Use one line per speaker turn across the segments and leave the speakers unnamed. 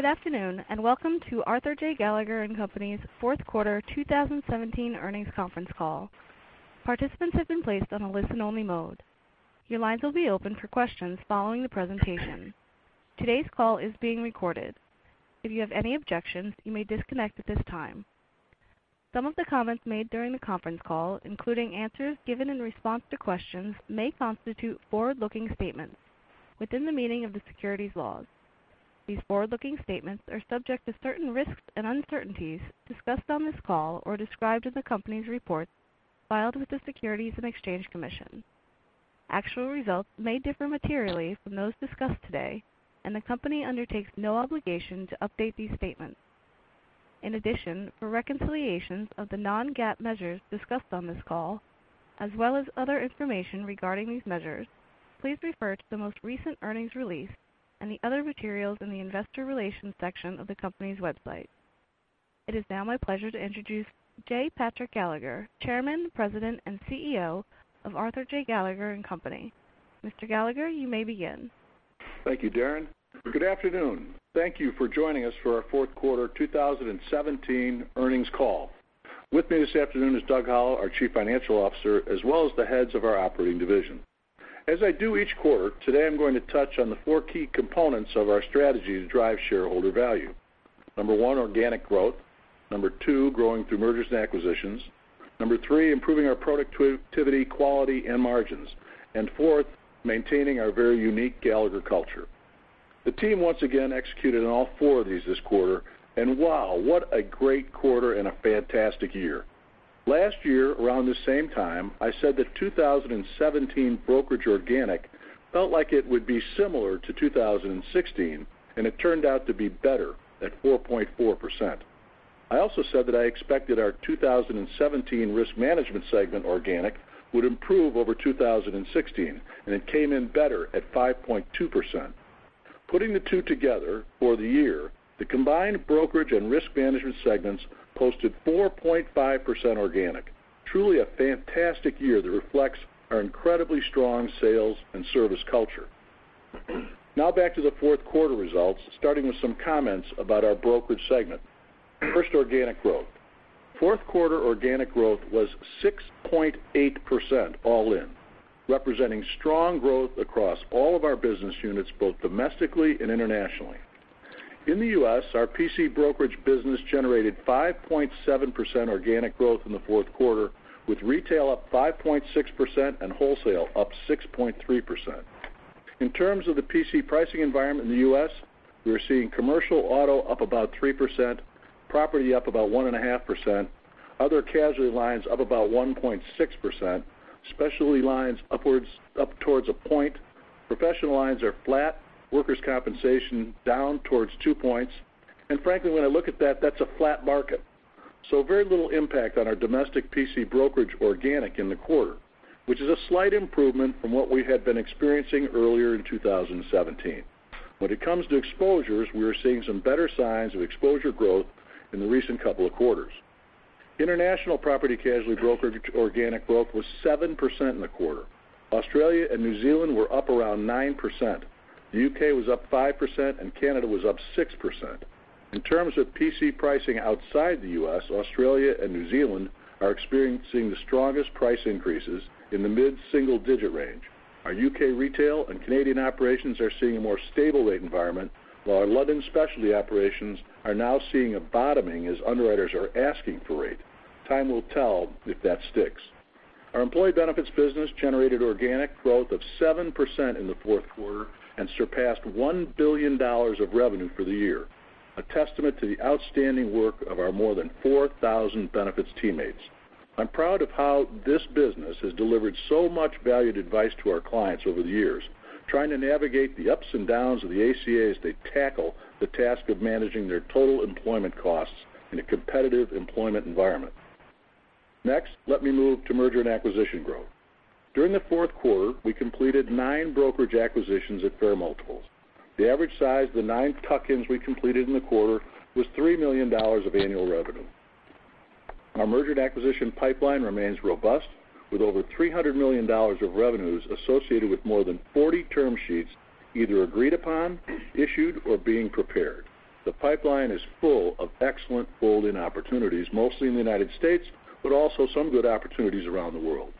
Welcome to Arthur J. Gallagher & Co.'s fourth quarter 2017 earnings conference call. Participants have been placed on a listen-only mode. Your lines will be open for questions following the presentation. Today's call is being recorded. If you have any objections, you may disconnect at this time. Some of the comments made during the conference call, including answers given in response to questions, may constitute forward-looking statements within the meaning of the securities laws. These forward-looking statements are subject to certain risks and uncertainties discussed on this call or described in the company's reports filed with the Securities and Exchange Commission. Actual results may differ materially from those discussed today. The company undertakes no obligation to update these statements. In addition, for reconciliations of the non-GAAP measures discussed on this call, as well as other information regarding these measures, please refer to the most recent earnings release and the other materials in the investor relations section of the company's website. It is now my pleasure to introduce J. Patrick Gallagher, Chairman, President, and CEO of Arthur J. Gallagher & Co.. Mr. Gallagher, you may begin.
Thank you, Darren. Good afternoon. Thank you for joining us for our fourth quarter 2017 earnings call. With me this afternoon is Doug Howell, our Chief Financial Officer, as well as the heads of our operating division. As I do each quarter, today I'm going to touch on the four key components of our strategy to drive shareholder value. Number one, organic growth. Number two, growing through mergers and acquisitions. Number three, improving our productivity, quality, and margins. Fourth, maintaining our very unique Gallagher culture. The team once again executed on all four of these this quarter. Wow, what a great quarter and a fantastic year. Last year, around this same time, I said that 2017 brokerage organic felt like it would be similar to 2016. It turned out to be better at 4.4%. I also said that I expected our 2017 risk management segment organic would improve over 2016. It came in better at 5.2%. Putting the two together for the year, the combined brokerage and risk management segments posted 4.5% organic. Truly a fantastic year that reflects our incredibly strong sales and service culture. Now back to the fourth quarter results, starting with some comments about our brokerage segment. First, organic growth. Fourth quarter organic growth was 6.8% all in, representing strong growth across all of our business units, both domestically and internationally. In the U.S., our PC brokerage business generated 5.7% organic growth in the fourth quarter, with retail up 5.6% and wholesale up 6.3%. In terms of the PC pricing environment in the U.S., we are seeing commercial auto up about 3%, property up about 1.5%, other casualty lines up about 1.6%, specialty lines up towards a point. Professional lines are flat, workers' compensation down towards 2 points. Frankly, when I look at that's a flat market. Very little impact on our domestic PC brokerage organic in the quarter, which is a slight improvement from what we had been experiencing earlier in 2017. When it comes to exposures, we are seeing some better signs of exposure growth in the recent couple of quarters. International property casualty brokerage organic growth was 7% in the quarter. Australia and New Zealand were up around 9%. The U.K. was up 5%, and Canada was up 6%. In terms of PC pricing outside the U.S., Australia and New Zealand are experiencing the strongest price increases in the mid-single digit range. Our U.K. retail and Canadian operations are seeing a more stable rate environment, while our London specialty operations are now seeing a bottoming as underwriters are asking for rate. Time will tell if that sticks. Our employee benefits business generated organic growth of 7% in the fourth quarter and surpassed $1 billion of revenue for the year, a testament to the outstanding work of our more than 4,000 benefits teammates. I'm proud of how this business has delivered so much valued advice to our clients over the years, trying to navigate the ups and downs of the ACA as they tackle the task of managing their total employment costs in a competitive employment environment. Next, let me move to merger and acquisition growth. During the fourth quarter, we completed nine brokerage acquisitions at fair multiples. The average size of the nine tuck-ins we completed in the quarter was $3 million of annual revenue. Our merger and acquisition pipeline remains robust with over $300 million of revenues associated with more than 40 term sheets either agreed upon, issued, or being prepared. The pipeline is full of excellent fold-in opportunities, mostly in the U.S., but also some good opportunities around the world.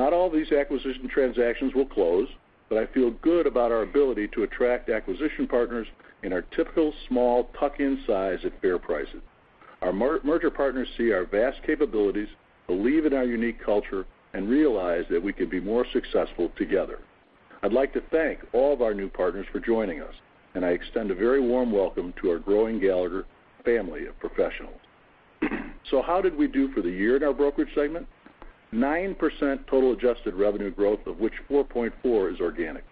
Not all these acquisition transactions will close, but I feel good about our ability to attract acquisition partners in our typical small tuck-in size at fair prices. Our merger partners see our vast capabilities, believe in our unique culture, and realize that we can be more successful together. I'd like to thank all of our new partners for joining us, and I extend a very warm welcome to our growing Gallagher family of professionals. How did we do for the year in our brokerage segment? 9% total adjusted revenue growth, of which 4.4% is organic.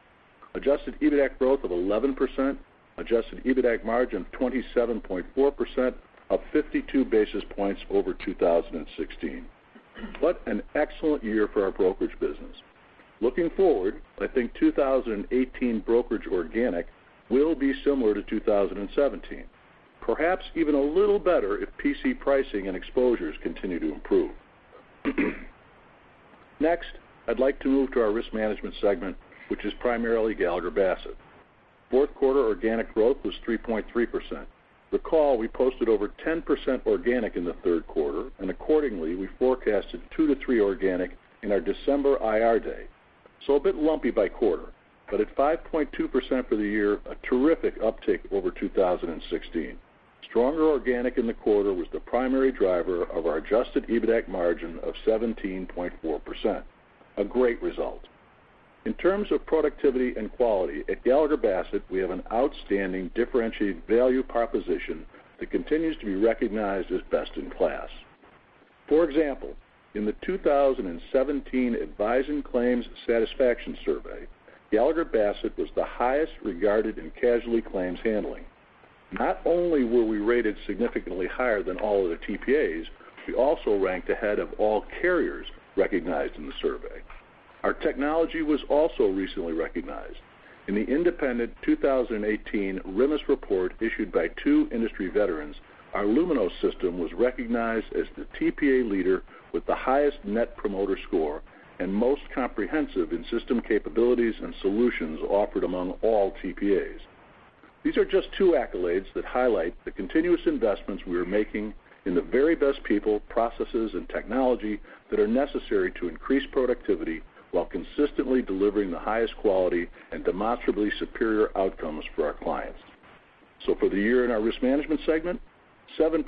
Adjusted EBITAC growth of 11%, adjusted EBITAC margin 27.4%, up 52 basis points over 2016. What an excellent year for our brokerage business. Looking forward, I think 2018 brokerage organic will be similar to 2017, perhaps even a little better if PC pricing and exposures continue to improve. Next, I'd like to move to our Risk Management segment, which is primarily Gallagher Bassett. Fourth quarter organic growth was 3.3%. Recall, we posted over 10% organic in the third quarter, accordingly, we forecasted 2%-3% organic in our December IR day. A bit lumpy by quarter, but at 5.2% for the year, a terrific uptick over 2016. Stronger organic in the quarter was the primary driver of our adjusted EBITAC margin of 17.4%, a great result. In terms of productivity and quality, at Gallagher Bassett, we have an outstanding differentiated value proposition that continues to be recognized as best in class. For example, in the 2017 Advisen claims satisfaction survey, Gallagher Bassett was the highest regarded in casualty claims handling. Not only were we rated significantly higher than all other TPAs, we also ranked ahead of all carriers recognized in the survey. Our technology was also recently recognized. In the independent 2018 RMIS report issued by two industry veterans, our LUMINOS system was recognized as the TPA leader with the highest Net Promoter Score and most comprehensive in system capabilities and solutions offered among all TPAs. These are just two accolades that highlight the continuous investments we are making in the very best people, processes, and technology that are necessary to increase productivity while consistently delivering the highest quality and demonstrably superior outcomes for our clients. For the year in our Risk Management Segment, 7%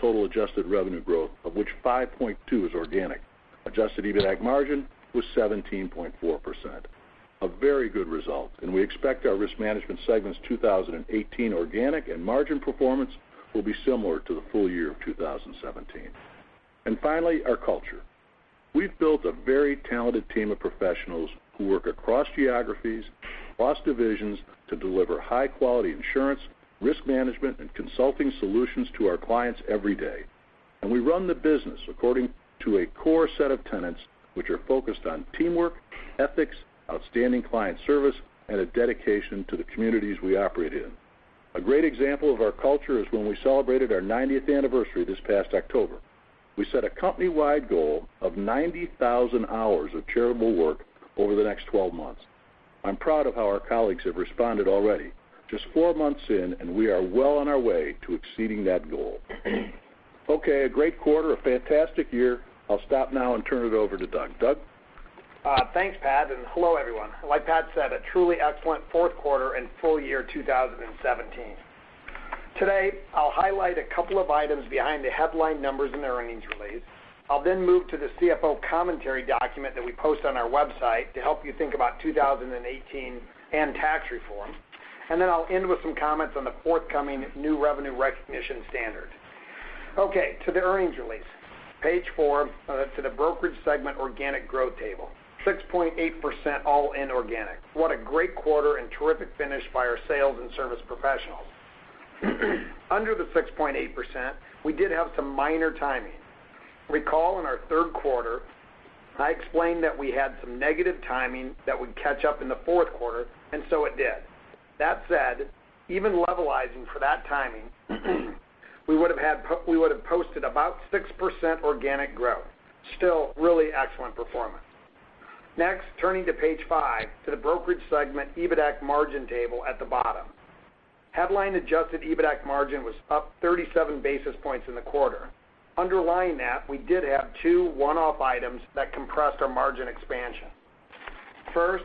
total adjusted revenue growth, of which 5.2% is organic. Adjusted EBITAC margin was 17.4%, a very good result. We expect our Risk Management Segment's 2018 organic and margin performance will be similar to the full year of 2017. Finally, our culture. We've built a very talented team of professionals who work across geographies, across divisions to deliver high-quality insurance, risk management, and consulting solutions to our clients every day. We run the business according to a core set of tenets, which are focused on teamwork, ethics, outstanding client service, and a dedication to the communities we operate in. A great example of our culture is when we celebrated our 90th anniversary this past October. We set a company-wide goal of 90,000 hours of charitable work over the next 12 months. I'm proud of how our colleagues have responded already. Just four months in, we are well on our way to exceeding that goal. A great quarter, a fantastic year. I'll stop now and turn it over to Doug. Doug?
Thanks, Pat, hello, everyone. Like Pat said, a truly excellent fourth quarter and full year 2017. Today, I'll highlight a couple of items behind the headline numbers in the earnings release. I'll then move to the CFO commentary document that we post on our website to help you think about 2018 and tax reform. Then I'll end with some comments on the forthcoming new revenue recognition standard. To the earnings release, page four, to the Brokerage Segment Organic Growth Table, 6.8% all in organic. What a great quarter and terrific finish by our sales and service professionals. Under the 6.8%, we did have some minor timing. Recall in our third quarter, I explained that we had some negative timing that would catch up in the fourth quarter, so it did. That said, even levelizing for that timing, we would've posted about 6% organic growth. Still, really excellent performance. Next, turning to page five, to the Brokerage Segment EBITAC margin table at the bottom. Headline adjusted EBITAC margin was up 37 basis points in the quarter. Underlying that, we did have two one-off items that compressed our margin expansion. First,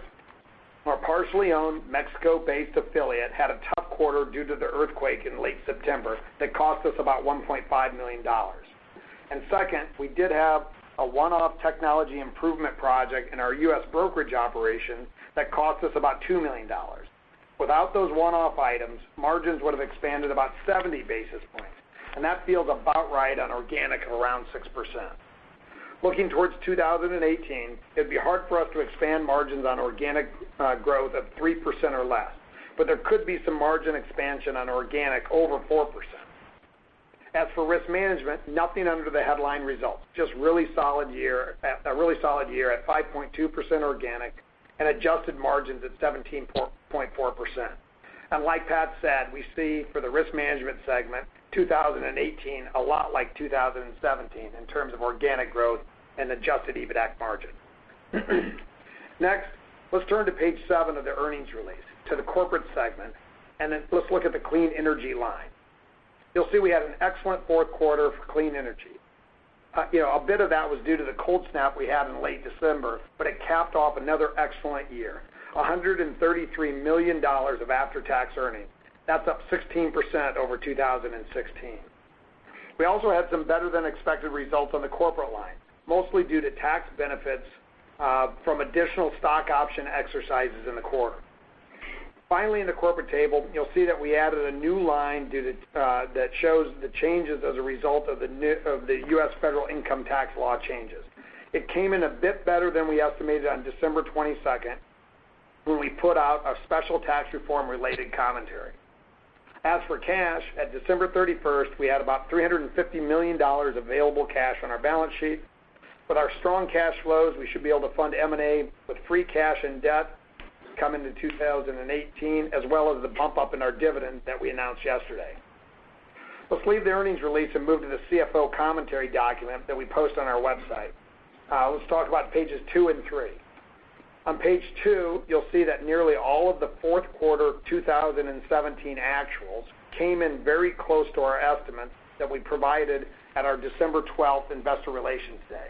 our partially owned Mexico-based affiliate had a tough quarter due to the earthquake in late September that cost us about $1.5 million. Second, we did have a one-off technology improvement project in our U.S. brokerage operation that cost us about $2 million. Without those one-off items, margins would've expanded about 70 basis points, and that feels about right on organic around 6%. Looking towards 2018, it'd be hard for us to expand margins on organic growth of 3% or less, but there could be some margin expansion on organic over 4%. As for Risk Management, nothing under the headline results, just a really solid year at 5.2% organic and adjusted margins at 17.4%. Like Pat said, we see for the Risk Management segment, 2018 a lot like 2017 in terms of organic growth and adjusted EBITAC margin. Next, let's turn to page seven of the earnings release to the Corporate segment, then let's look at the clean energy line. You'll see we had an excellent fourth quarter for clean energy. A bit of that was due to the cold snap we had in late December, but it capped off another excellent year, $133 million of after-tax earnings. That's up 16% over 2016. We also had some better than expected results on the corporate line, mostly due to tax benefits from additional stock option exercises in the quarter. Finally, in the corporate table, you'll see that we added a new line that shows the changes as a result of the U.S. federal income tax law changes. It came in a bit better than we estimated on December 22nd, when we put out a special tax reform related commentary. As for cash, at December 31st, we had about $350 million available cash on our balance sheet. With our strong cash flows, we should be able to fund M&A with free cash and debt come into 2018, as well as the bump up in our dividend that we announced yesterday. Let's leave the earnings release and move to the CFO commentary document that we post on our website. Let's talk about pages two and three. On page two, you'll see that nearly all of the fourth quarter 2017 actuals came in very close to our estimates that we provided at our December 12th Investor Relations Day.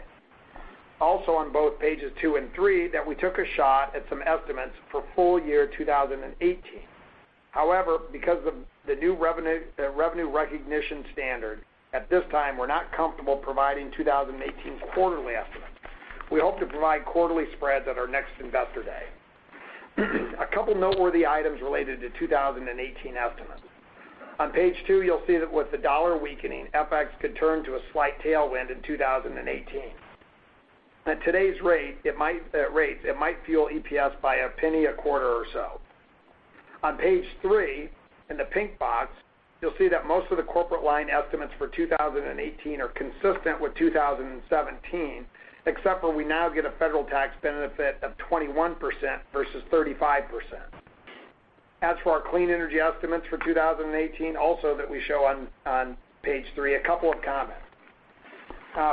Also on both pages two and three, that we took a shot at some estimates for full year 2018. However, because of the new revenue recognition standard, at this time, we're not comfortable providing 2018 quarterly estimates. We hope to provide quarterly spreads at our next Investor Day. A couple noteworthy items related to 2018 estimates. On page two, you'll see that with the dollar weakening, FX could turn to a slight tailwind in 2018. At today's rates, it might fuel EPS by $0.01 a quarter or so. On page three, in the pink box, you'll see that most of the corporate line estimates for 2018 are consistent with 2017, except where we now get a federal tax benefit of 21% versus 35%. As for our clean coal estimates for 2018, also that we show on page three, a couple of comments.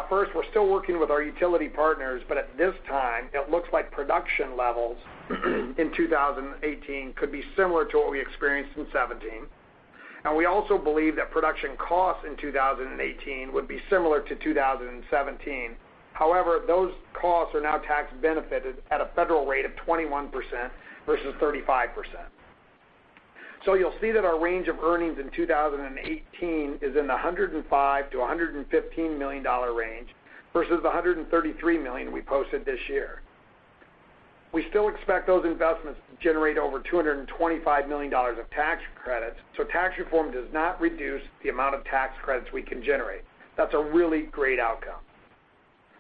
First, we're still working with our utility partners, but at this time, it looks like production levels in 2018 could be similar to what we experienced in 2017. We also believe that production costs in 2018 would be similar to 2017. However, those costs are now tax benefited at a federal rate of 21% versus 35%. You'll see that our range of earnings in 2018 is in the $105 million-$115 million range versus the $133 million we posted this year. We still expect those investments to generate over $225 million of tax credits, tax reform does not reduce the amount of tax credits we can generate. That's a really great outcome.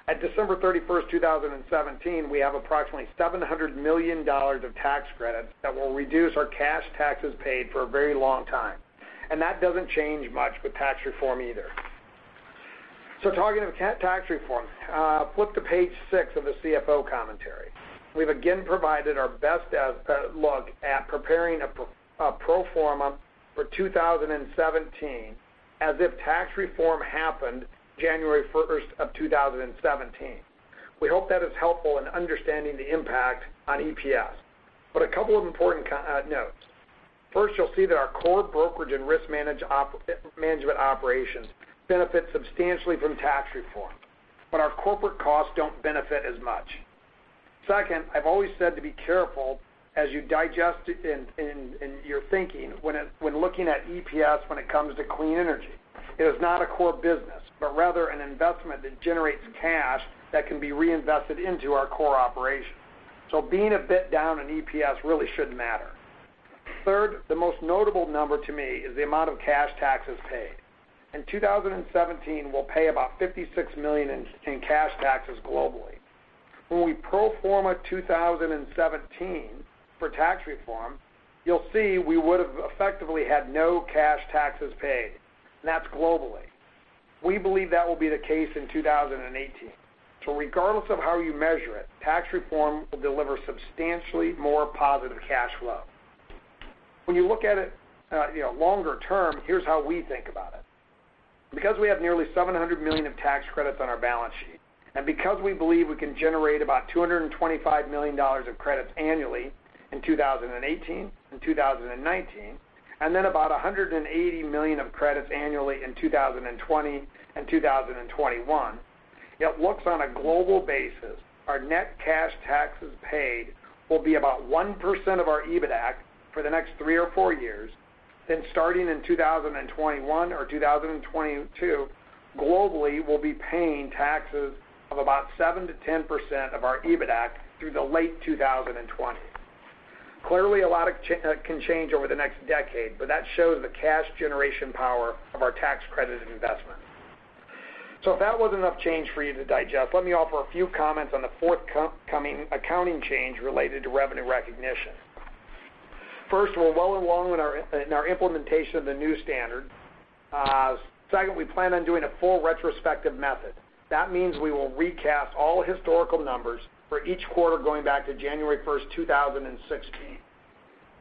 At December 31st, 2017, we have approximately $700 million of tax credits that will reduce our cash taxes paid for a very long time, that doesn't change much with tax reform either. Talking of tax reform, flip to page six of the CFO commentary. We've again provided our best look at preparing a pro forma for 2017 as if tax reform happened January 1st of 2017. We hope that is helpful in understanding the impact on EPS. A couple of important notes. First, you'll see that our core brokerage and risk management operations benefit substantially from tax reform, but our corporate costs don't benefit as much. Second, I've always said to be careful as you digest in your thinking when looking at EPS when it comes to clean coal. It is not a core business, but rather an investment that generates cash that can be reinvested into our core operations. Being a bit down on EPS really shouldn't matter. Third, the most notable number to me is the amount of cash taxes paid. In 2017, we'll pay about $56 million in cash taxes globally. When we pro forma 2017 for tax reform, you'll see we would've effectively had no cash taxes paid, that's globally. We believe that will be the case in 2018. Regardless of how you measure it, tax reform will deliver substantially more positive cash flow. When you look at it longer term, here's how we think about it. We have nearly $700 million of tax credits on our balance sheet, we believe we can generate about $225 million of credits annually in 2018 and 2019, about $180 million of credits annually in 2020 and 2021, it looks on a global basis, our net cash taxes paid will be about 1% of our EBITAC for the next three or four years. Starting in 2021 or 2022, globally, we'll be paying taxes of about 7%-10% of our EBITAC through the late 2020. Clearly, a lot can change over the next decade, but that shows the cash generation power of our tax credited investment. If that was enough change for you to digest, let me offer a few comments on the forthcoming accounting change related to revenue recognition. First, we're well along in our implementation of the new standard. Second, we plan on doing a full retrospective method. That means we will recast all historical numbers for each quarter going back to January 1st, 2016.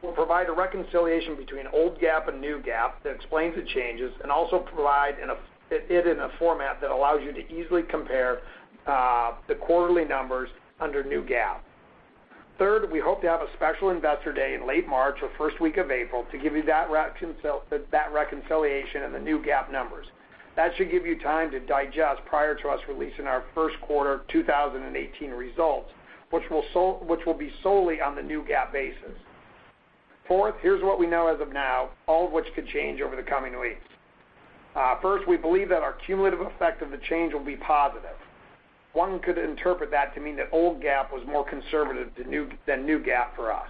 We will provide a reconciliation between old GAAP and new GAAP that explains the changes and also provide it in a format that allows you to easily compare the quarterly numbers under new GAAP. Third, we hope to have a special Investor Day in late March or first week of April to give you that reconciliation and the new GAAP numbers. That should give you time to digest prior to us releasing our first quarter 2018 results, which will be solely on the new GAAP basis. Fourth, here is what we know as of now, all of which could change over the coming weeks. First, we believe that our cumulative effect of the change will be positive. One could interpret that to mean that old GAAP was more conservative than new GAAP for us.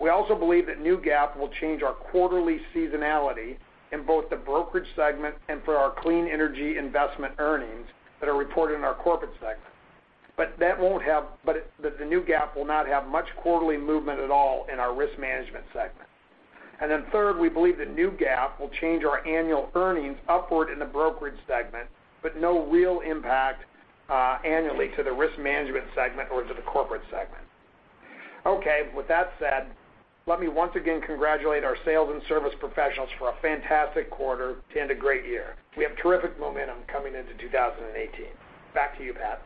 We also believe that new GAAP will change our quarterly seasonality in both the brokerage segment and for our clean coal investment earnings that are reported in our corporate segment. The new GAAP will not have much quarterly movement at all in our risk management segment. Third, we believe that new GAAP will change our annual earnings upward in the brokerage segment, but no real impact annually to the risk management segment or to the corporate segment. Okay, with that said, let me once again congratulate our sales and service professionals for a fantastic quarter and a great year. We have terrific momentum coming into 2018. Back to you, Pat.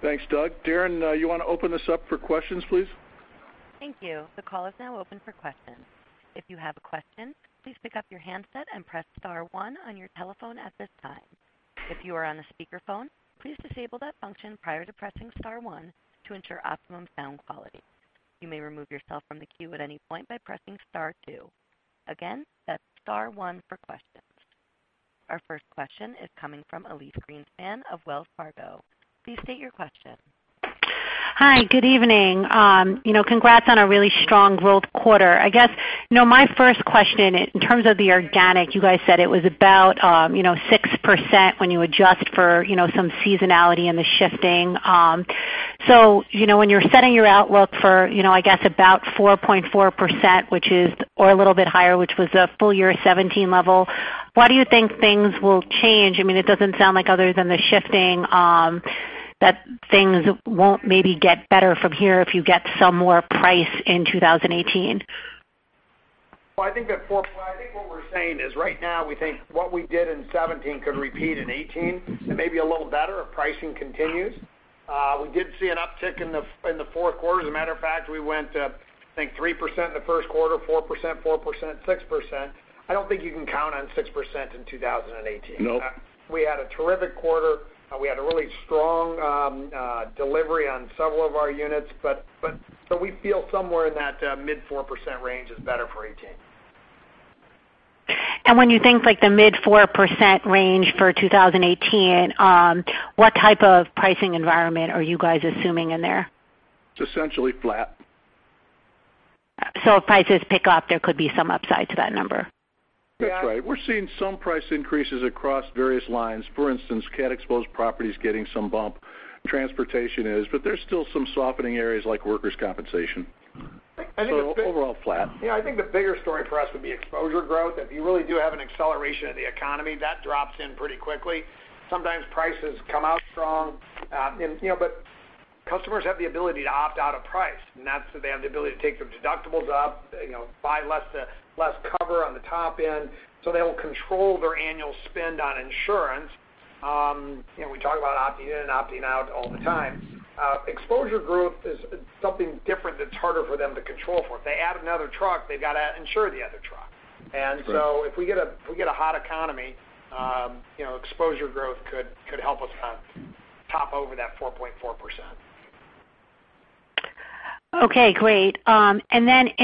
Thanks, Doug. Darren, you want to open this up for questions, please?
Thank you. The call is now open for questions. If you have a question, please pick up your handset and press star one on your telephone at this time. If you are on a speakerphone, please disable that function prior to pressing star one to ensure optimum sound quality. You may remove yourself from the queue at any point by pressing star two. Again, that is star one for questions. Our first question is coming from Elyse Greenspan of Wells Fargo. Please state your question.
Hi, good evening. Congrats on a really strong growth quarter. I guess my first question in terms of the organic, you guys said it was about 6% when you adjust for some seasonality and the shifting. When you're setting your outlook for I guess about 4.4%, or a little bit higher, which was the full year 2017 level, why do you think things will change? It doesn't sound like other than the shifting, that things won't maybe get better from here if you get some more price in 2018.
I think what we're saying is right now, we think what we did in 2017 could repeat in 2018, and maybe a little better if pricing continues. We did see an uptick in the fourth quarter. As a matter of fact, we went I think 3% in the first quarter, 4%, 4%, 6%. I don't think you can count on 6% in 2018.
No.
We had a terrific quarter. We had a really strong delivery on several of our units, we feel somewhere in that mid 4% range is better for 2018.
When you think the mid 4% range for 2018, what type of pricing environment are you guys assuming in there?
It's essentially flat.
If prices pick up, there could be some upside to that number?
That's right. We're seeing some price increases across various lines. For instance, cat-exposed property's getting some bump. Transportation is. There's still some softening areas like workers' compensation. Overall flat.
I think the bigger story for us would be exposure growth. If you really do have an acceleration of the economy, that drops in pretty quickly. Sometimes prices come out strong. Customers have the ability to opt out of price, and that's if they have the ability to take their deductibles up, buy less cover on the top end, they will control their annual spend on insurance. We talk about opting in and opting out all the time. Exposure growth is something different that's harder for them to control for. If they add another truck, they've got to insure the other truck.
Right.
If we get a hot economy, exposure growth could help us kind of top over that 4.4%.
Okay, great. You guys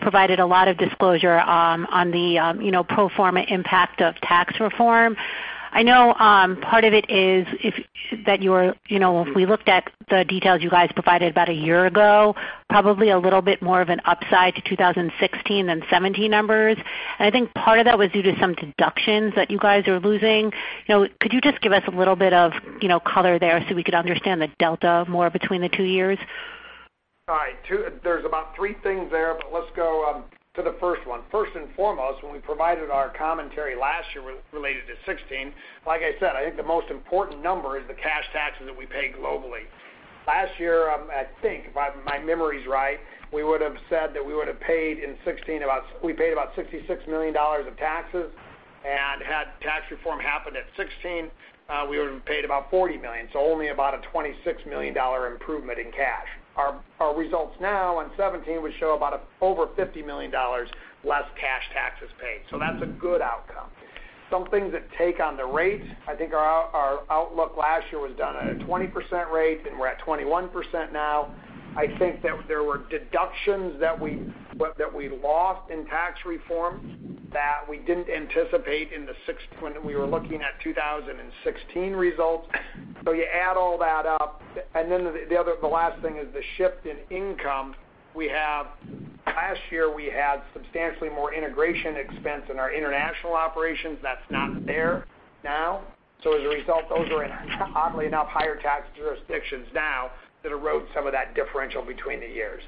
provided a lot of disclosure on the pro forma impact of tax reform. I know part of it is if we looked at the details you guys provided about a year ago, probably a little bit more of an upside to 2016 than 2017 numbers. I think part of that was due to some deductions that you guys are losing. Could you just give us a little bit of color there so we could understand the delta more between the two years?
All right. There's about three things there, let's go to the first one. First and foremost, when we provided our commentary last year related to 2016, like I said, I think the most important number is the cash taxes that we pay globally. Last year, I think if my memory's right, we would've said that we would've paid in 2016, we paid about $66 million of taxes, had tax reform happened at 2016, we would've paid about $40 million. Only about a $26 million improvement in cash. Our results now in 2017 would show about over $50 million less cash taxes paid. That's a good outcome. Some things that take on the rates, I think our outlook last year was done at a 20% rate, and we're at 21% now. I think that there were deductions that we lost in tax reforms that we didn't anticipate when we were looking at 2016 results. You add all that up, the last thing is the shift in income. Last year, we had substantially more integration expense in our international operations. That's not there now. Those are in oddly enough higher tax jurisdictions now that erode some of that differential between the years.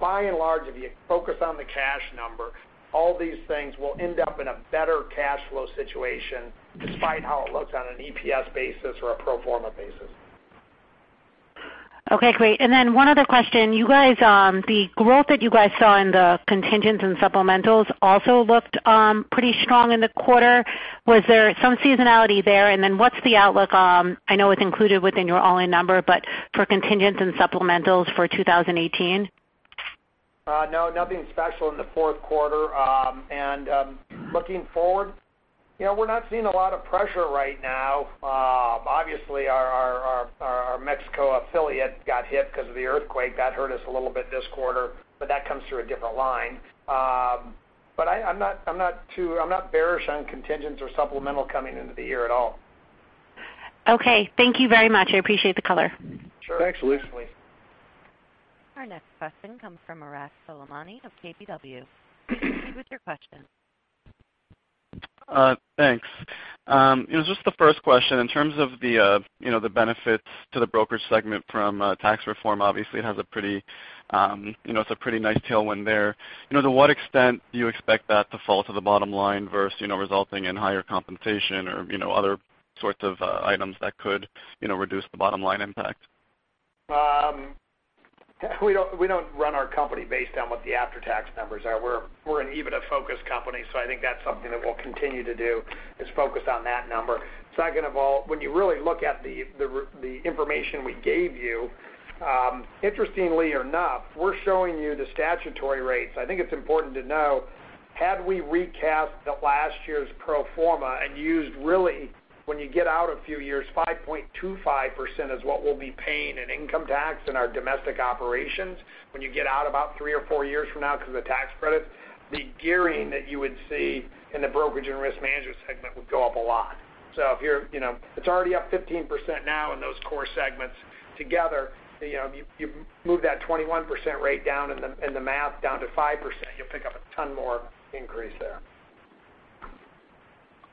By and large, if you focus on the cash number, all these things will end up in a better cash flow situation despite how it looks on an EPS basis or a pro forma basis.
Okay, great. One other question. The growth that you guys saw in the contingents and supplementals also looked pretty strong in the quarter. Was there some seasonality there? What's the outlook, I know it's included within your all-in number, but for contingents and supplementals for 2018?
No, nothing special in the fourth quarter. Looking forward, we're not seeing a lot of pressure right now. Obviously our Mexico affiliate got hit because of the earthquake. That hurt us a little bit this quarter, but that comes through a different line. I'm not bearish on contingents or supplemental coming into the year at all.
Okay. Thank you very much. I appreciate the color.
Sure.
Thanks, Elyse.
Our next question comes from Arash Soleimani of KBW. Please proceed with your question.
Thanks. Just the first question, in terms of the benefits to the broker segment from tax reform, obviously it's a pretty nice tailwind there. To what extent do you expect that to fall to the bottom line versus resulting in higher compensation or other sorts of items that could reduce the bottom line impact?
We don't run our company based on what the after-tax numbers are. We're an EBITDA-focused company, I think that's something that we'll continue to do, is focus on that number. Second of all, when you really look at the information we gave you, interestingly enough, we're showing you the statutory rates. I think it's important to know, had we recapped the last year's pro forma and used really, when you get out a few years, 5.25% is what we'll be paying in income tax in our domestic operations, when you get out about three or four years from now because of the tax credits. The gearing that you would see in the brokerage and risk management segment would go up a lot. It's already up 15% now in those core segments together. You move that 21% rate down in the math down to 5%, you'll pick up a ton more increase there.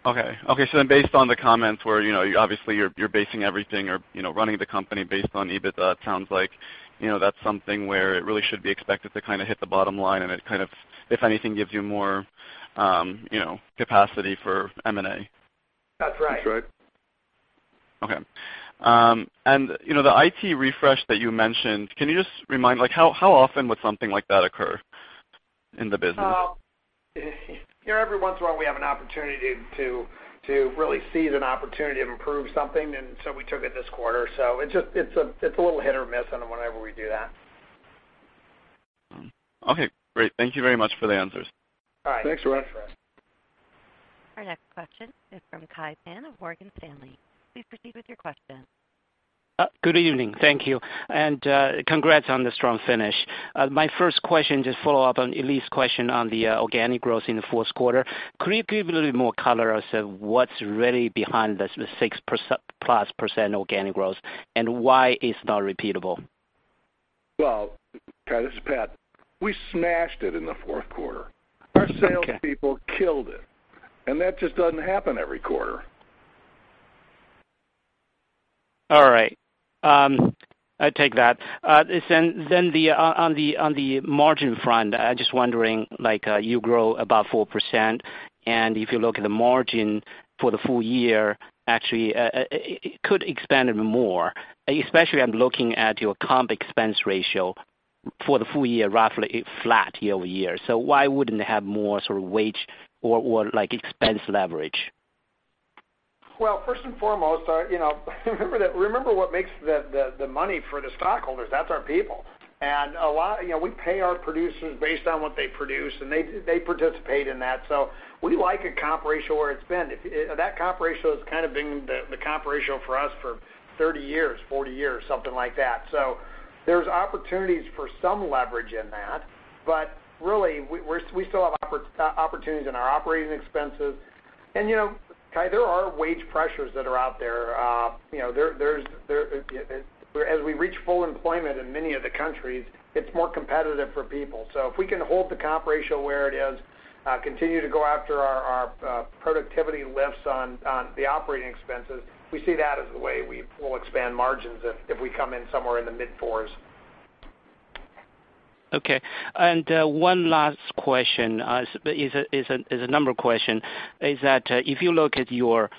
Based on the comments where obviously you're basing everything or running the company based on EBITDA, it sounds like that's something where it really should be expected to hit the bottom line and it, if anything, gives you more capacity for M&A.
That's right.
That's right.
The IT refresh that you mentioned, can you just remind me, how often would something like that occur in the business?
Every once in a while, we have an opportunity to really seize an opportunity to improve something, we took it this quarter. It's a little hit or miss on whenever we do that.
Okay, great. Thank you very much for the answers.
All right.
Thanks, Arash.
Our next question is from Kai Pan of Morgan Stanley. Please proceed with your question.
Good evening. Thank you, and congrats on the strong finish. My first question, just follow up on Elyse's question on the organic growth in the fourth quarter. Could you give a little more color as to what's really behind the 6% plus organic growth, and why it's not repeatable?
Well, Kai, this is Pat. We smashed it in the fourth quarter.
Okay.
Our salespeople killed it, that just doesn't happen every quarter.
All right. I take that. On the margin front, I'm just wondering, you grow about 4%, and if you look at the margin for the full year, actually, it could expand even more, especially I'm looking at your comp expense ratio for the full year, roughly flat year-over-year. Why wouldn't it have more sort of wage or expense leverage?
Well, first and foremost, remember what makes the money for the stockholders, that's our people. We pay our producers based on what they produce, and they participate in that. We like a comp ratio where it's been. That comp ratio has kind of been the comp ratio for us for 30 years, 40 years, something like that. There's opportunities for some leverage in that. Really, we still have opportunities in our operating expenses. Kai, there are wage pressures that are out there. As we reach full employment in many of the countries, it's more competitive for people. If we can hold the comp ratio where it is, continue to go after our productivity lifts on the operating expenses, we see that as a way we'll expand margins if we come in somewhere in the mid fours.
Okay. One last question. It's a number question. Is that if you look at your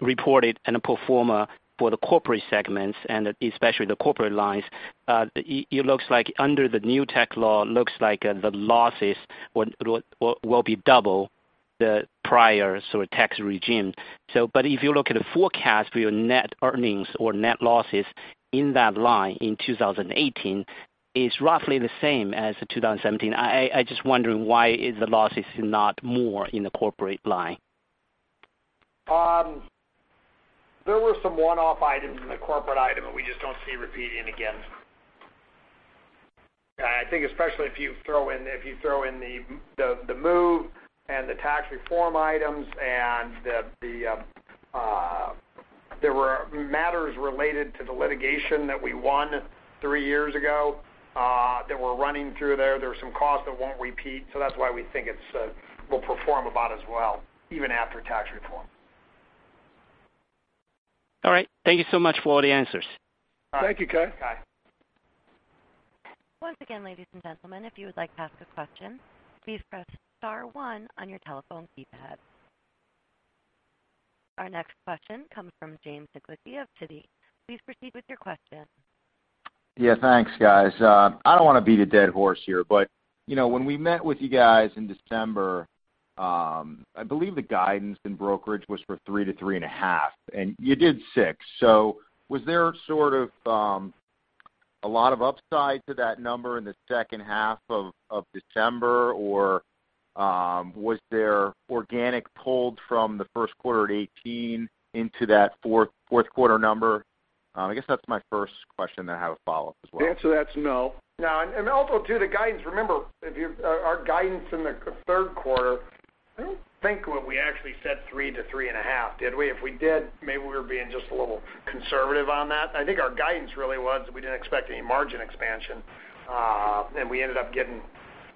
reported and pro forma for the corporate segments and especially the corporate lines, it looks like under the new tax law, looks like the losses will be double the prior tax regime. If you look at the forecast for your net earnings or net losses in that line in 2018, it's roughly the same as 2017. I'm just wondering why is the losses not more in the corporate line?
There were some one-off items in the corporate item that we just don't see repeating again. I think especially if you throw in the move and the tax reform items and there were matters related to the litigation that we won three years ago that we're running through there. There were some costs that won't repeat, that's why we think it will perform about as well even after tax reform.
All right. Thank you so much for all the answers.
All right.
Thank you, Kai.
Once again, ladies and gentlemen, if you would like to ask a question, please press *1 on your telephone keypad. Our next question comes from James Nicklickji of Citi. Please proceed with your question.
Yeah. Thanks, guys. I don't want to beat a dead horse here, when we met with you guys in December, I believe the guidance in brokerage was for 3% to 3.5%, and you did 6%. Was there sort of a lot of upside to that number in the second half of December, or was there organic pulled from the first quarter of 2018 into that fourth quarter number? I guess that's my first question, then I have a follow-up as well.
The answer to that's no.
No. Also, too, the guidance, remember, our guidance in the third quarter, I don't think we actually said 3% to 3.5%. Did we? If we did, maybe we were being just a little conservative on that. I think our guidance really was that we didn't expect any margin expansion, and we ended up getting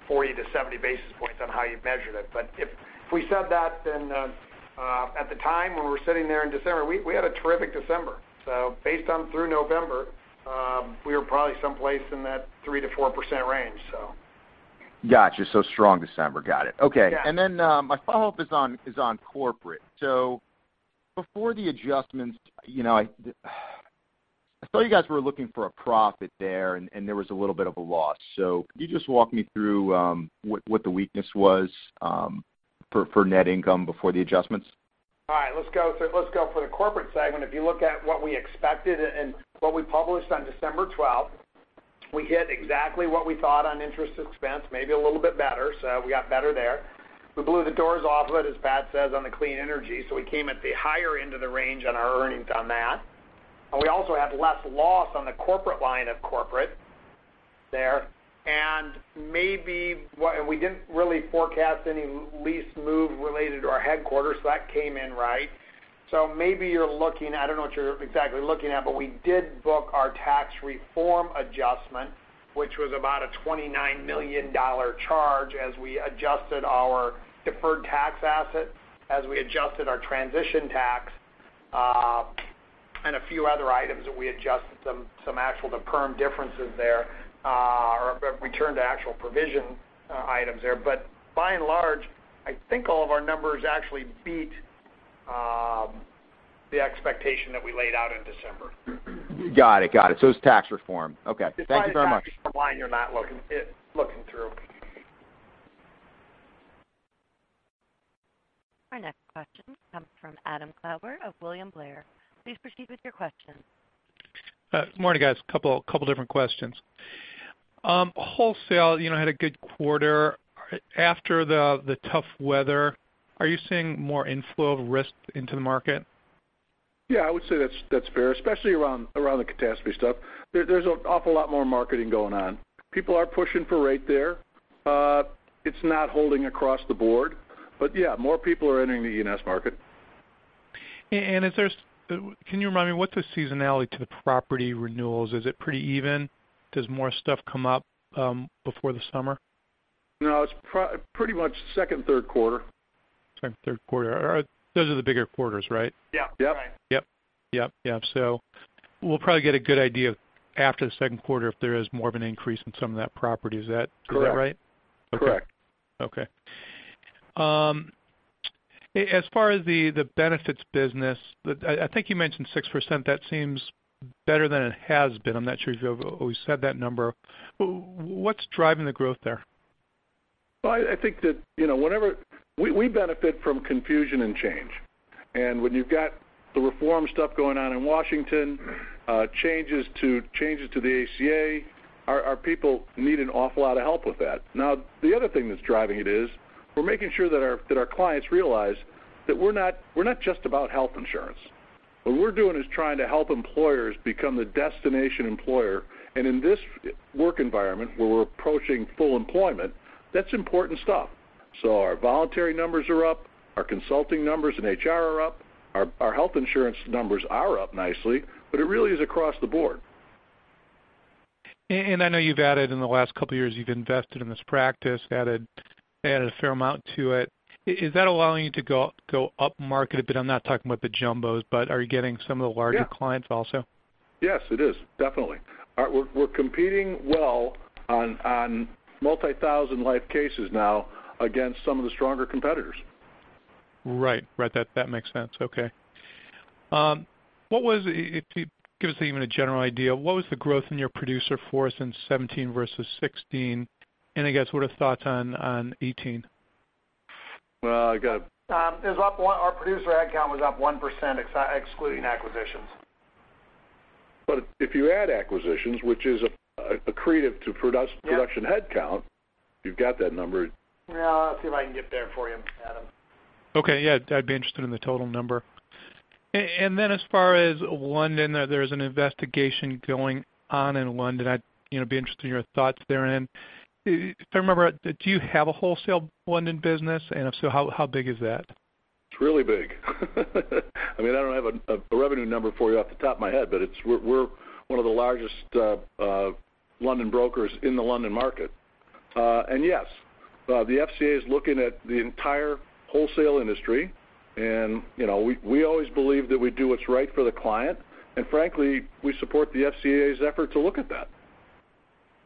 40 to 70 basis points on how you measured it. If we said that at the time when we were sitting there in December, we had a terrific December. Based on through November, we were probably someplace in that 3% to 4% range.
Got you. Strong December. Got it. Okay.
Yeah.
My follow-up is on Corporate. Before the adjustments, I saw you guys were looking for a profit there, and there was a little bit of a loss. Could you just walk me through what the weakness was for net income before the adjustments?
All right. Let's go for the Corporate Segment. If you look at what we expected and what we published on December 12th, we hit exactly what we thought on interest expense, maybe a little bit better. We got better there. We blew the doors off of it, as Pat says, on the clean coal. We came at the higher end of the range on our earnings on that. We also had less loss on the corporate line of corporate there. We didn't really forecast any lease move related to our headquarters, so that came in right. Maybe you're looking, I don't know what you're exactly looking at, but we did book our tax reform adjustment, which was about a $29 million charge as we adjusted our deferred tax asset, as we adjusted our transition tax, and a few other items that we adjusted, some actual to perm differences there, or return to actual provision items there. By and large, I think all of our numbers actually beat the expectation that we laid out in December.
Got it. It's tax reform. Okay. Thank you very much.
It's the tax reform line you're not looking through.
Our next question comes from Adam Klauber of William Blair. Please proceed with your question.
Morning, guys. Couple different questions. Wholesale had a good quarter. After the tough weather, are you seeing more inflow of risk into the market?
Yeah, I would say that's fair, especially around the catastrophe stuff. There's an awful lot more marketing going on. People are pushing for rate there. It's not holding across the board. Yeah, more people are entering the E&S market.
Can you remind me, what's the seasonality to the property renewals? Is it pretty even? Does more stuff come up before the summer?
No, it's pretty much second, third quarter.
Second, third quarter. All right. Those are the bigger quarters, right?
Yeah.
Right.
Yep. We'll probably get a good idea after the second quarter if there is more of an increase in some of that property. Is that right?
Correct.
Okay. As far as the benefits business, I think you mentioned 6%. That seems better than it has been. I'm not sure if you've always said that number. What's driving the growth there?
Well, I think that we benefit from confusion and change. When you've got the reform stuff going on in Washington, changes to the ACA, our people need an awful lot of help with that. Now, the other thing that's driving it is we're making sure that our clients realize that we're not just about health insurance. What we're doing is trying to help employers become the destination employer. In this work environment, where we're approaching full employment, that's important stuff. Our voluntary numbers are up, our consulting numbers in HR are up, our health insurance numbers are up nicely, but it really is across the board.
I know you've added in the last couple of years, you've invested in this practice, added a fair amount to it. Is that allowing you to go up market a bit? I'm not talking about the jumbos, but are you getting some of the larger-
Yeah
clients also?
Yes, it is. Definitely. We're competing well on multi-thousand life cases now against some of the stronger competitors.
Right. That makes sense. Okay. If you could give us even a general idea, what was the growth in your producer force in 2017 versus 2016? I guess, what are the thoughts on 2018?
Well.
Our producer headcount was up 1%, excluding acquisitions.
If you add acquisitions, which is accretive to production headcount.
Yeah
You've got that number.
I'll see if I can get there for you, Adam.
Okay. Yeah, I'd be interested in the total number. As far as London, there's an investigation going on in London. I'd be interested in your thoughts therein. If I remember, do you have a wholesale London business? If so, how big is that?
It's really big. I don't have a revenue number for you off the top of my head, but we're one of the largest London brokers in the London market. Yes, the FCA is looking at the entire wholesale industry, and we always believe that we do what's right for the client. Frankly, we support the FCA's effort to look at that.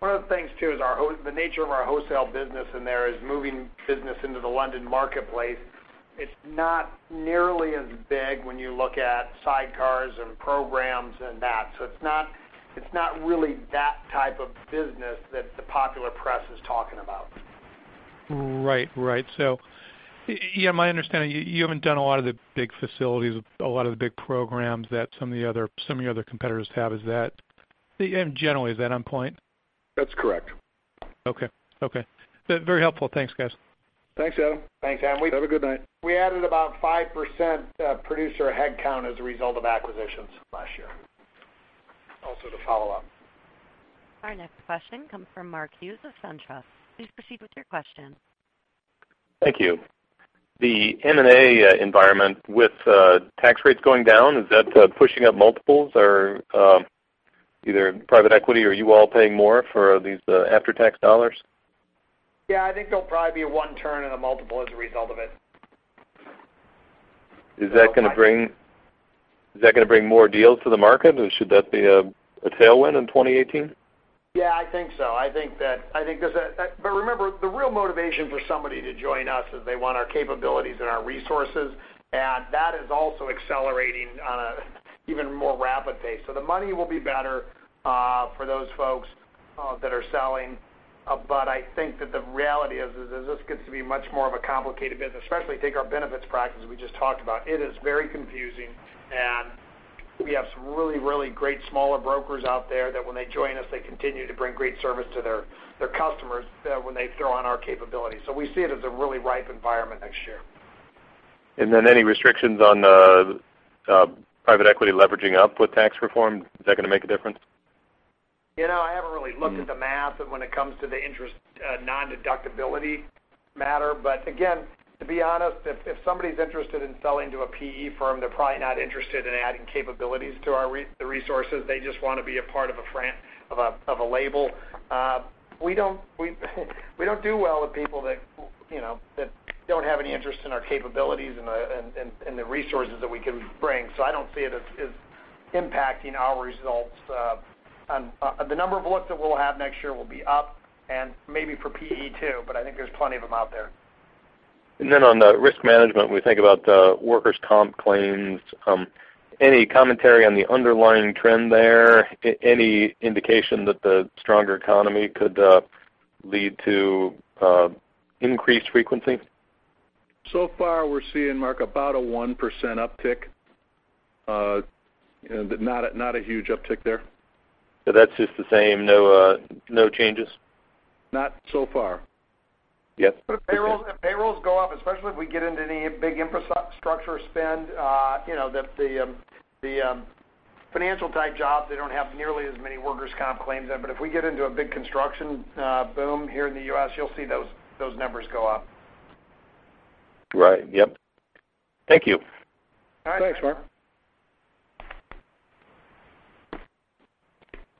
One of the things, too, is the nature of our wholesale business in there is moving business into the London marketplace. It's not nearly as big when you look at sidecars and programs and that. It's not really that type of business that the popular press is talking about.
Right. Yeah, my understanding, you haven't done a lot of the big facilities, a lot of the big programs that some of your other competitors have. In general, is that on point?
That's correct.
Okay. Very helpful. Thanks, guys.
Thanks, Adam.
Thanks, Adam.
Have a good night.
We added about 5% producer headcount as a result of acquisitions last year. Also to follow up.
Our next question comes from Mark Hughes of SunTrust. Please proceed with your question.
Thank you. The M&A environment with tax rates going down, is that pushing up multiples? Are either private equity or you all paying more for these after-tax dollars?
Yeah, I think there'll probably be a one turn in a multiple as a result of it.
Is that going to bring more deals to the market or should that be a tailwind in 2018?
Yeah, I think so. Remember, the real motivation for somebody to join us is they want our capabilities and our resources, and that is also accelerating on an even more rapid pace. The money will be better for those folks that are selling. I think that the reality is that this gets to be much more of a complicated business, especially take our benefits practice we just talked about. It is very confusing, and we have some really, really great smaller brokers out there that when they join us, they continue to bring great service to their customers when they throw on our capabilities. We see it as a really ripe environment next year.
Any restrictions on private equity leveraging up with tax reform, is that going to make a difference?
I haven't really looked at the math when it comes to the interest non-deductibility matter. Again, to be honest, if somebody's interested in selling to a PE firm, they're probably not interested in adding capabilities to the resources. They just want to be a part of a label. We don't do well with people that don't have any interest in our capabilities and the resources that we can bring. I don't see it as impacting our results. The number of looks that we'll have next year will be up and maybe for PE, too, but I think there's plenty of them out there.
On the risk management, when we think about workers' comp claims, any commentary on the underlying trend there? Any indication that the stronger economy could lead to increased frequency?
Far, we're seeing, Mark, about a 1% uptick. Not a huge uptick there.
That's just the same, no changes?
Not so far.
Yep.
If payrolls go up, especially if we get into any big infrastructure spend, the financial type jobs, they don't have nearly as many workers' comp claims then. If we get into a big construction boom here in the U.S., you'll see those numbers go up.
Right. Yep. Thank you.
Thanks, Mark.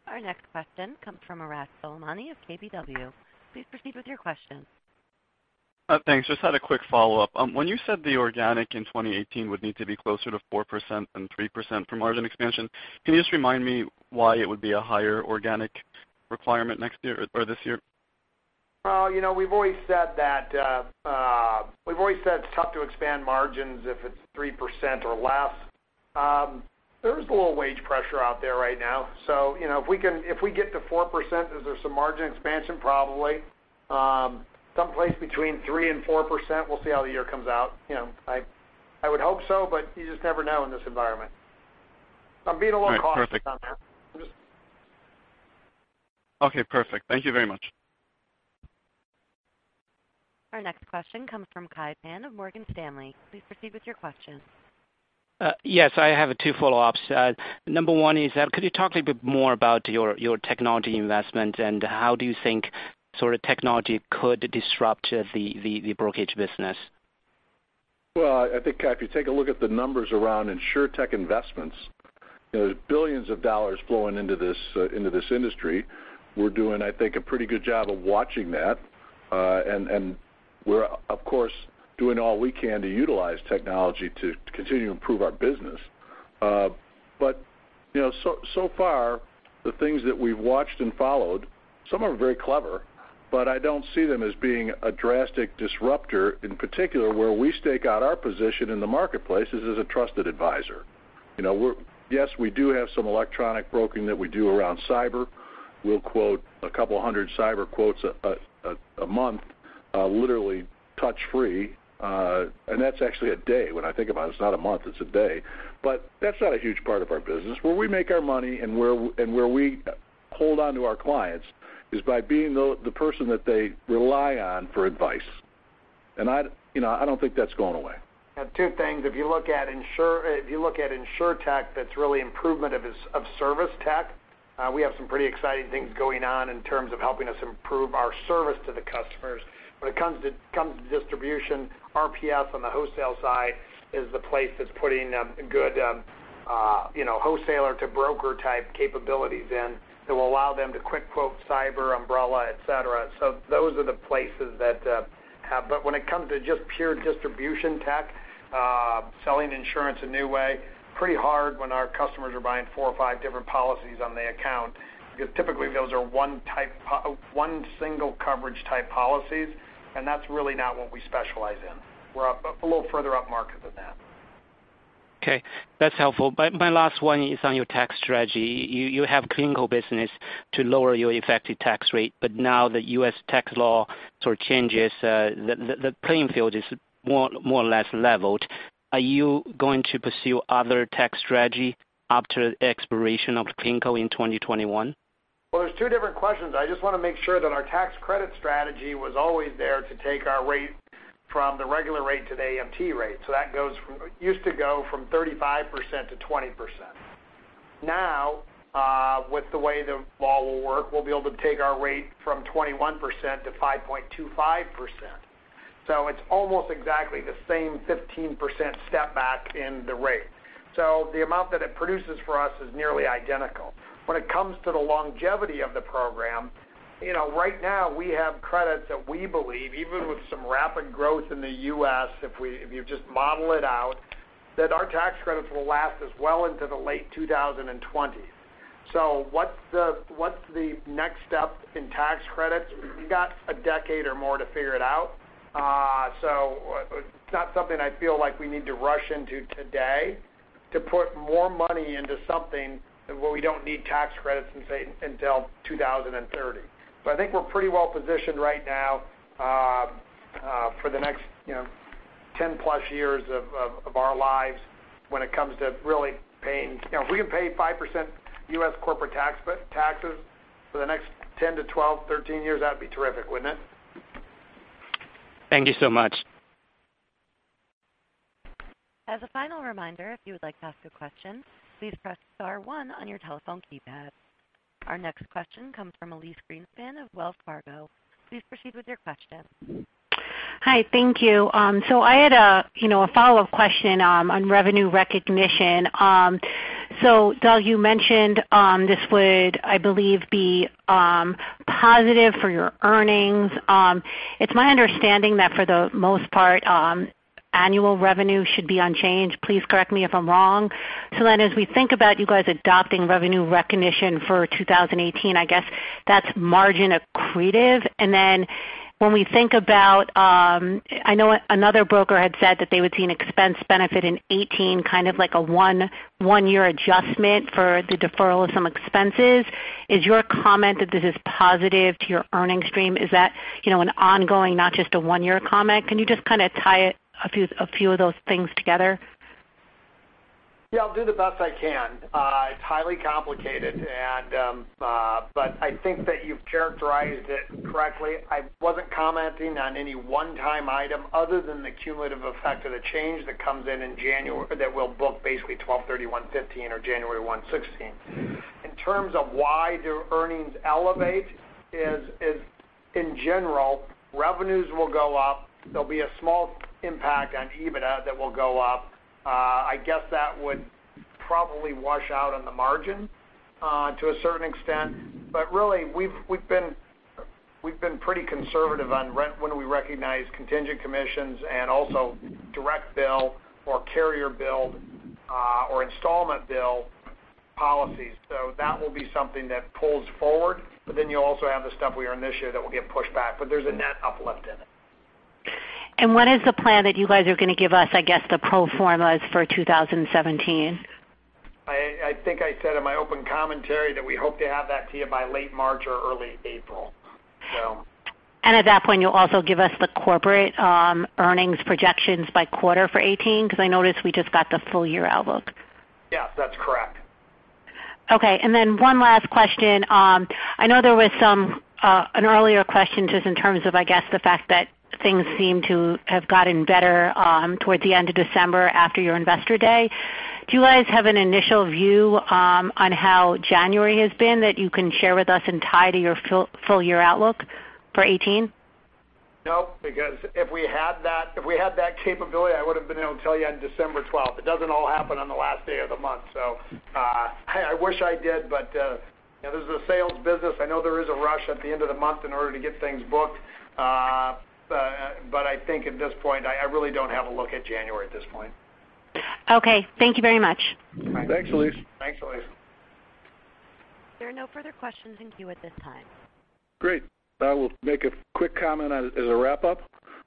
Our next question comes from Arash Soleimani of KBW. Please proceed with your question.
Thanks. Just had a quick follow-up. When you said the organic in 2018 would need to be closer to 4% than 3% for margin expansion, can you just remind me why it would be a higher organic requirement this year?
We've always said it's tough to expand margins if it's 3% or less. There is a little wage pressure out there right now. If we get to 4%, is there some margin expansion? Probably. Someplace between 3% and 4%, we'll see how the year comes out. I would hope so, but you just never know in this environment. I'm being a little cautious on that.
All right, perfect. Okay, perfect. Thank you very much.
Our next question comes from Kai Pan of Morgan Stanley. Please proceed with your question.
Yes, I have two follow-ups. Number one is, could you talk a little bit more about your technology investment and how do you think technology could disrupt the brokerage business?
Well, I think, Kai, if you take a look at the numbers around Insurtech investments, there's $billions flowing into this industry. We're doing, I think, a pretty good job of watching that. We're, of course, doing all we can to utilize technology to continue to improve our business. So far, the things that we've watched and followed, some are very clever, but I don't see them as being a drastic disruptor, in particular, where we stake out our position in the marketplace is as a trusted advisor. Yes, we do have some electronic broking that we do around cyber. We'll quote 200 cyber quotes a month, literally touch-free. That's actually a day when I think about it. It's not a month, it's a day. That's not a huge part of our business. Where we make our money and where we hold onto our clients is by being the person that they rely on for advice. I don't think that's going away.
Yeah, two things. If you look at Insurtech, that's really improvement of service tech. We have some pretty exciting things going on in terms of helping us improve our service to the customers. When it comes to distribution, RPS on the wholesale side is the place that's putting good wholesaler to broker type capabilities in that will allow them to quick quote cyber, umbrella, et cetera. Those are the places. When it comes to just pure distribution tech, selling insurance a new way, pretty hard when our customers are buying four or five different policies on the account, because typically, those are one single coverage type policies, that's really not what we specialize in. We're a little further up market than that.
Okay, that's helpful. My last one is on your tax strategy. You have clean coal business to lower your effective tax rate. Now the U.S. tax law changes, the playing field is more or less leveled. Are you going to pursue other tax strategy after the expiration of clean coal in 2021?
Well, there's two different questions. I just want to make sure that our tax credit strategy was always there to take our rate from the regular rate to the AMT rate. That used to go from 35% to 20%. Now, with the way the law will work, we'll be able to take our rate from 21% to 5.25%. It's almost exactly the same 15% step back in the rate. The amount that it produces for us is nearly identical. When it comes to the longevity of the program, right now we have credits that we believe, even with some rapid growth in the U.S., if you just model it out, that our tax credits will last us well into the late 2020s. What's the next step in tax credits? We've got a decade or more to figure it out. It's not something I feel like we need to rush into today to put more money into something where we don't need tax credits until 2030. I think we're pretty well positioned right now for the next 10 plus years of our lives when it comes to really paying. If we can pay 5% U.S. corporate taxes for the next 10 to 12, 13 years, that'd be terrific, wouldn't it?
Thank you so much.
As a final reminder, if you would like to ask a question, please press star one on your telephone keypad. Our next question comes from Elyse Greenspan of Wells Fargo. Please proceed with your question.
Hi. Thank you. I had a follow-up question on revenue recognition. Doug, you mentioned this would, I believe, be positive for your earnings. It's my understanding that for the most part, annual revenue should be unchanged. Please correct me if I am wrong. As we think about you guys adopting revenue recognition for 2018, I guess that's margin accretive. When we think about, I know another broker had said that they would see an expense benefit in 2018, kind of like a one-year adjustment for the deferral of some expenses. Is your comment that this is positive to your earning stream, is that an ongoing, not just a one-year comment? Can you just tie a few of those things together?
Yeah, I'll do the best I can. It's highly complicated, but I think that you've characterized it correctly. I wasn't commenting on any one-time item other than the cumulative effect of the change that comes in in January, that we'll book basically 12/31/2015 or 01/01/2016. In terms of why do earnings elevate is, in general, revenues will go up. There'll be a small impact on EBITDA that will go up. I guess that would probably wash out on the margin to a certain extent. Really, we've been pretty conservative on when we recognize contingent commissions and also direct bill or carrier bill or installment bill policies. That will be something that pulls forward. You'll also have the stuff we earn this year that will get pushed back, but there's a net uplift in it.
When is the plan that you guys are going to give us, I guess, the pro formas for 2017?
I think I said in my open commentary that we hope to have that to you by late March or early April, so.
At that point, you'll also give us the corporate earnings projections by quarter for 2018, because I noticed we just got the full year outlook.
Yes, that's correct.
Okay. One last question. I know there was an earlier question just in terms of, I guess, the fact that things seem to have gotten better towards the end of December after your Investor Day. Do you guys have an initial view on how January has been that you can share with us and tie to your full year outlook for 2018?
No, because if we had that capability, I would've been able to tell you on December 12th. It doesn't all happen on the last day of the month. I wish I did, but this is a sales business. I know there is a rush at the end of the month in order to get things booked. I think at this point, I really don't have a look at January at this point.
Okay. Thank you very much.
You're welcome.
Thanks, Elyse.
Thanks, Elyse.
There are no further questions in queue at this time.
Great. I will make a quick comment as a wrap-up.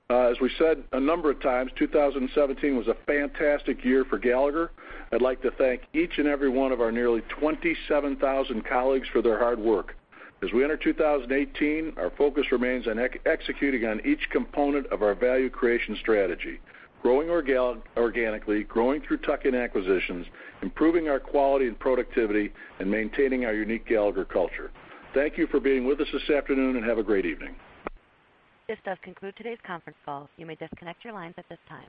As we said a number of times, 2017 was a fantastic year for Gallagher. I'd like to thank each and every one of our nearly 27,000 colleagues for their hard work. As we enter 2018, our focus remains on executing on each component of our value creation strategy, growing organically, growing through tuck-in acquisitions, improving our quality and productivity, and maintaining our unique Gallagher culture. Thank you for being with us this afternoon, and have a great evening.
This does conclude today's conference call. You may disconnect your lines at this time.